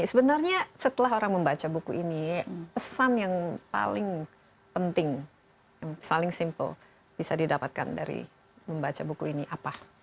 sebenarnya setelah orang membaca buku ini pesan yang paling penting yang paling simple bisa didapatkan dari membaca buku ini apa